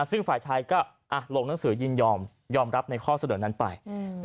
ซึ่งฝ่ายชายก็ลงหนังสือยินยอมยอมรับในข้อเสนอนั้นไป